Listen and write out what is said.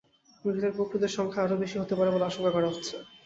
মৃতের প্রকৃত সংখ্যা আরও বেশি হতে পারে বলে আশঙ্কা করা হচ্ছে।